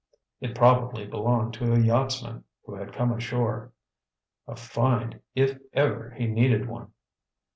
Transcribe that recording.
It probably belonged to a yachtsman who had come ashore. A find, if ever he needed one.